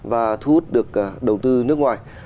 và thu hút được đầu tư nước ngoài